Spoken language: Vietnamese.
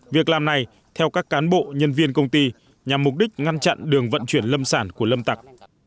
việc làm này theo các cán bộ nhân viên công ty nhằm mục đích ngăn chặn đường vận chuyển lâm sản của lâm tặc